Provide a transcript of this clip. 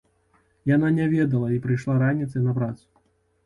Яна не ведала і прыйшла раніцай на працу.